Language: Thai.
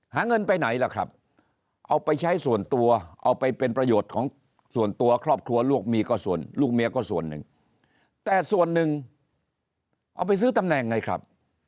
เงินไปไหนล่ะครับเอาไปใช้ส่วนตัวเอาไปเป็นประโยชน์ของส่วนตัวครอบครัวครอบครัวลูกมีก็ส่วนลูกเมียก็ส่วนหนึ่งแต่ส่วนหนึ่งเอาไปซื้อตำแหน่งไงครับ